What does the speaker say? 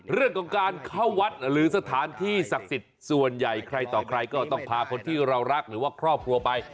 เรื่องของการเข้าวัดหรือสถานที่ศักดิ์สิทธิ์ส่วนใหญ่ใครต่อใครก็ต้องพาคนที่เรารักหรือว่าครอบครัวไป